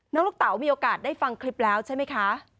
ลูกเต๋ามีโอกาสได้ฟังคลิปแล้วใช่ไหมคะ